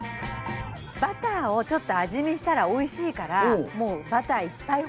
バターをちょっと味見したらおいしいから。